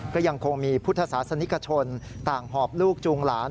ก็ยังคงมีพุทธศาสนิกชนต่างหอบลูกจูงหลาน